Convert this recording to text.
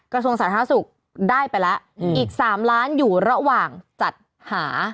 กระทรวงสาธารณสุขได้ไปแล้วอีก๓ล้านอยู่ระหว่างจัดหา